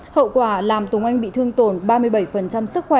hậu quả làm tùng anh bị thương tổn ba mươi bảy sức khỏe